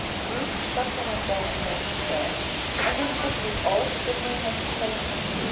Ruth shut the window, and went to bed. Elizabeth was all shivering and quaking.